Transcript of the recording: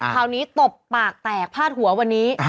คราวนี้ตบปากแตกพลาดหัววันนี้